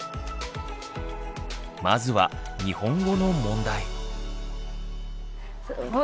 まずは日本語の問題。